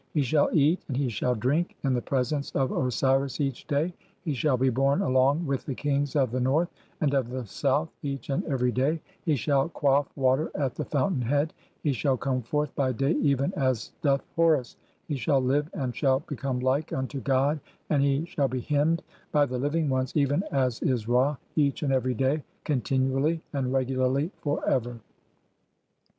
HE SHALL EAT AND HE SHALL DRINK IN THE PRESENCE OF OSIRIS EACH DAY; HE SHALL BE BORNE ALONG (26) WITH THE KINGS OF THE NORTH AND OF THE SOUTH EACH AND EVERY DAY; HE SHALL QUAFF WATER AT THE FOUNTAIN HEAD; HE SHALL COME FORTH BY DAY EVEN AS DOTH HORUS; (27) HE SHALL LIVE AND SHALL BECOME LIKE UNTO GOD ; AND HE SHALL BE HYMNED BY THE LIVING ONES, EVEN AS IS RA EACH AND EVERY DAY CONTINUALLY AND REGULARLY FOR EVER.